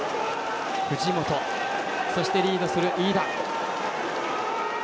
藤本、そして、リードする飯田。